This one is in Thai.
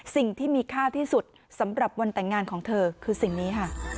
สิ่งที่มีค่าที่สุดสำหรับวันแต่งงานของเธอคือสิ่งนี้ค่ะ